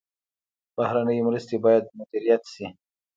بهرنۍ مرستې باید مدیریت شي